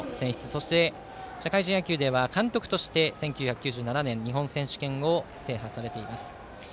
そして、社会人野球では監督して１９９７年日本選手権を制覇されています。